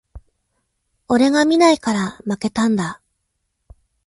俺が見ないから負けたんだ